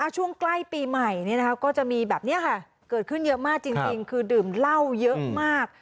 ช่วงใกล้ปีใหม่เนี่ยนะครับก็จะมีแบบเนี้ยค่ะเกิดขึ้นเยอะมากจริงจริงคือดื่มเหล้าเยอะมาก